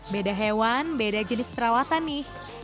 beda hewan beda jenis perawatan nih